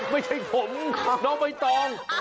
ไม่ใช่ผมน้องไม่ต้อง